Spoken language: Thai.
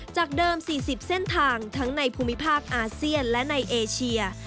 จากเดิม๔๐เส้นทางทั้งในภูมิภาคอาเซียนและในเอเชีย